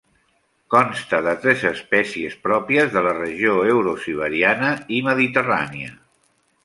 Consta de tres espècies pròpies de la regió eurosiberiana i mediterrània.